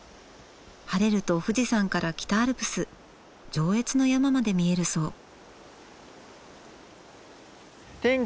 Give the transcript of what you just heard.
晴れると富士山から北アルプス上越の山まで見えるそう。